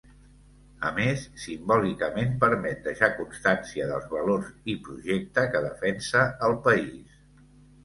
A més, simbòlicament permet deixar constància dels valors i projecte que defensa el país.